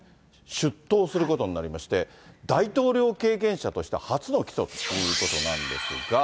出頭することになりまして、大統領経験者として初の起訴ということなんですが。